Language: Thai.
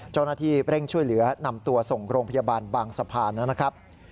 เจ้าหน้าที่เร่งช่วยเหลือนำตัวส่งโรงพยาบาลบางสะพานนะครับ